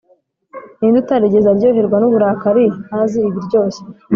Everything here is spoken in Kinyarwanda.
ninde utarigeze aryoherwa n'uburakari, ntazi ibiryoshye.